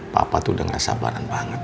papa tuh denger sabaran banget